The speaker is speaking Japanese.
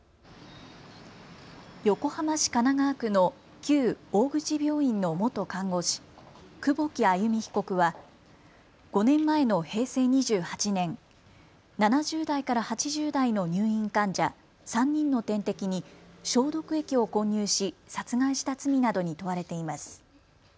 横浜市神奈川区の旧大口病院の元看護師、久保木愛弓被告は５年前の平成２８年、７０代から８０代の入院患者３人の点滴に消毒液を混入し殺害した罪などに問われています。